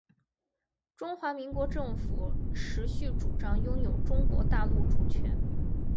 中华民国政府持续主张拥有中国大陆主权